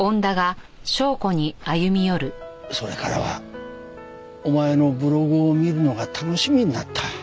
それからはお前のブログを見るのが楽しみになった。